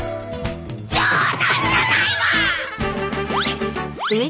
冗談じゃないわ！